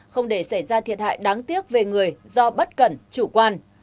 không để xảy ra thiệt hại đáng tiếc về người do bất cẩn chủ quan